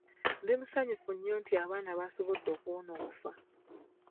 Ndi musanyufu nnyo nti abaana baasobodde okuwona okufa.